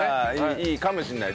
いいかもしれない。